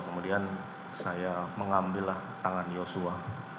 kemudian saya mengambillah tangan yosua